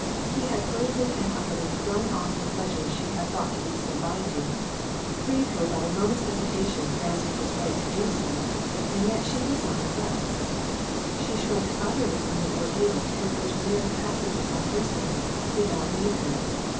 He had hurriedly and utterly thrown off the pledges she had thought to be so binding ; freed her without a moment's hesitation as to his right to do so ; and yet she was not at rest. She shrank utterly from the ordeal through which mere pas siveness on her side, would now lead her.